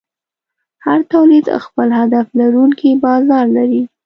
هر تولید خپل هدف لرونکی بازار لري.